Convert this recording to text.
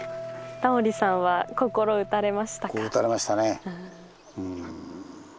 タモリさんは心打たれましたか？